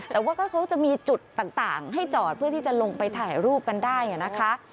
แต่ว่าเขาจะมีจุดต่างให้จอดเพื่อที่จะลงไปถ่ายรูปกันได้นะคะ